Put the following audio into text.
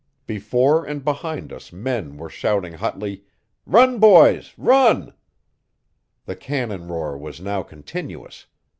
Before and behind us men were shouting hotly, 'Run, boys! run!' The cannon roar was now continuous.